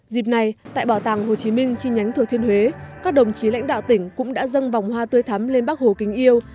dịp này tại bảo tàng hồ chí minh chi nhánh thừa thiên huế các đồng chí lãnh đạo tỉnh cũng đã dâng vòng hoa tươi thắm lên bắc hồ kính yêu